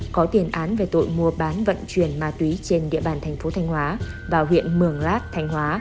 có tiền án về tội mua bán vận chuyển ma túy trên địa bàn thành phố thanh hóa và huyện mường lát thanh hóa